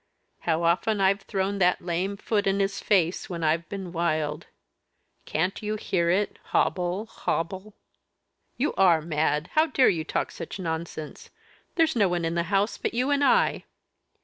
How often I've thrown that lame foot in his face when I've been wild! can't you hear it hobble hobble?" "You are mad! How dare you talk such nonsense? There's no one in the house but you and I."